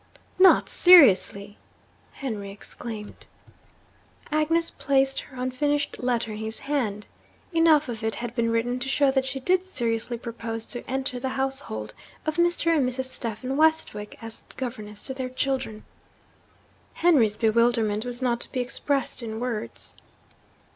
'Not seriously!' Henry exclaimed. Agnes placed her unfinished letter in his hand. Enough of it had been written to show that she did seriously propose to enter the household of Mr. and Mrs. Stephen Westwick as governess to their children! Henry's bewilderment was not to be expressed in words.